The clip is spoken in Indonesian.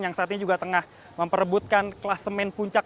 yang saat ini juga tengah memperebutkan kelas men puncak